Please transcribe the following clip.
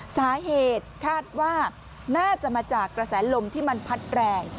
สาเหตุคาดว่าน่าจะมาจากกระแสลมที่มันพัดแรง